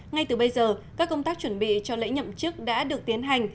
ngay từ bây giờ các công tác chuẩn bị cho lễ nhậm chức đã được tiến hành